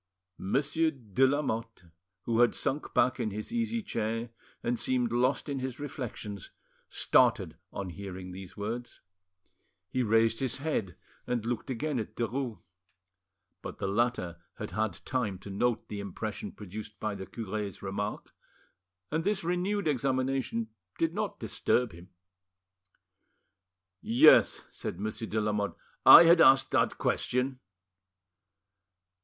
Monsieur, de Lamotte, who had sunk back in his easy chair and seemed lost in his reflections, started on hearing these words. He raised his head and looked again at Derues. But the latter had had time to note the impression produced by the cure's remark, and this renewed examination did not disturb him. "Yes," said Monsieur de Lamotte, "I had asked that question."